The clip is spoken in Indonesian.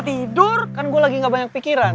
tidur kan gue lagi gak banyak pikiran